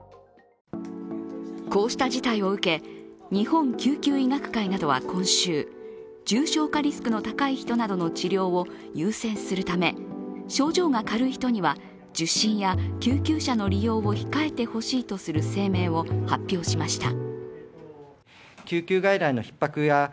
こうした事態を受け、日本救急医学会などは今週、重症化リスクの高い人などの治療を優先するため症状が軽い人には受診や救急車の利用を控えてほしいとする声明を発表しました。